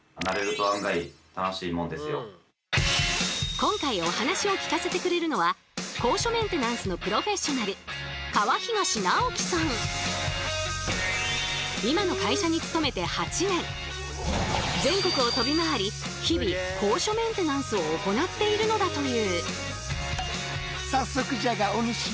今回お話を聞かせてくれるのは全国を飛び回り日々高所メンテナンスを行っているのだという。